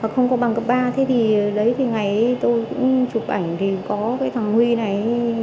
không có bằng cấp ba thế thì lấy thì ngay tôi cũng chụp ảnh thì có cái thằng huy này